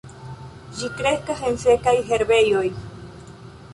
Ĝi kreskas en sekaj herbejoj.